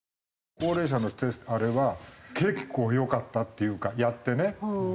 高齢者のあれは結構よかったっていうかやってね。